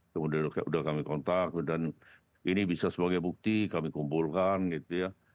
kemudian sudah kami kontak dan ini bisa sebagai bukti kami kumpulkan gitu ya